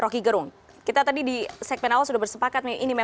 tetap di cnn indonesia prime news